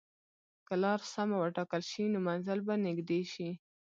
که لار سمه وټاکل شي، نو منزل به نږدې شي.